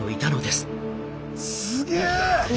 すげえ。